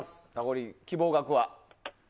希望額は？